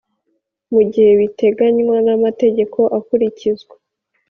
Mu gihe biteganywa n’amategeko akurikizwa